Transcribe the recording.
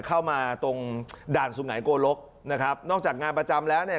เข้ามาตรงด้านสุไหน้กูลกนะครับนอกจากงานประจำแล้ว